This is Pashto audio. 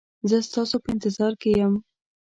زه ستاسو په انتظار کې یم